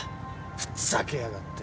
ふざけやがって。